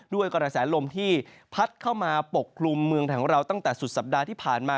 กระแสลมที่พัดเข้ามาปกคลุมเมืองไทยของเราตั้งแต่สุดสัปดาห์ที่ผ่านมา